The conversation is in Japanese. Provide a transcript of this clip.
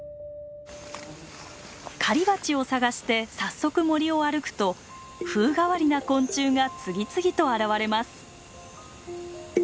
狩りバチを探して早速森を歩くと風変わりな昆虫が次々と現れます。